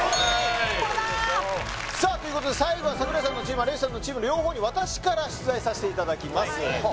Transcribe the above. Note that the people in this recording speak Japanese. さあということで最後は櫻井さんのチーム有吉さんのチーム両方に私から出題させていただきます